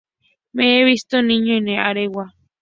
Me he visto niño en Areguá.